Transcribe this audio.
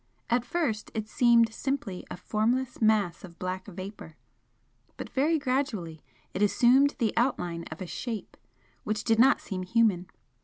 At first it seemed simply a formless mass of black vapour, but very gradually it assumed the outline of a Shape which did not seem human.